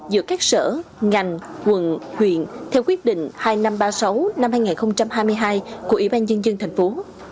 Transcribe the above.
giữa các sở ngành quận huyện theo quyết định hai nghìn năm trăm ba mươi sáu năm hai nghìn hai mươi hai của ủy ban nhân dân thành phố